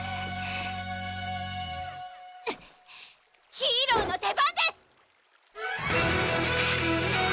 ヒーローの出番です！